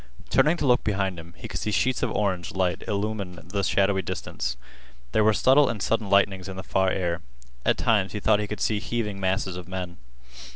Turning to look behind him, he could see sheets of orange light illumine the shadowy distance. There were subtle and sudden lightnings in the far air. At times he thought he could see heaving masses of men.